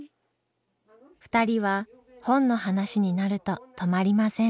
２人は本の話になると止まりません。